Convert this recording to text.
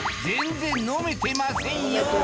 全然飲めてませんよ